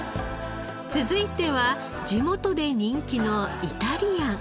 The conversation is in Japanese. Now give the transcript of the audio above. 続いては地元で人気のイタリアン。